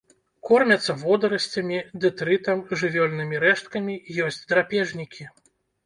Кормяцца водарасцямі, дэтрытам, жывёльнымі рэшткамі, ёсць драпежнікі.